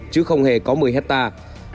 chứ không hề có một mươi hectare